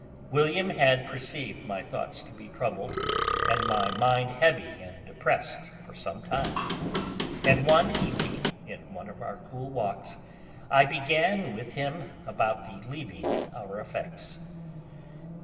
William had perceived my thoughts to be troubled and my mind heavy and oppressed for some time; and one evening, in one of our cool walks, I began with him about the leaving our effects.